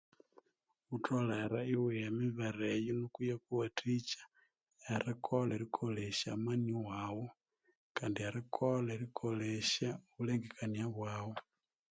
Uthelere iwigha emibere eyo nikwa iyakuwathikya erikolha erikolyesya amani waghu Kandi erikolha erikolesha amani waghu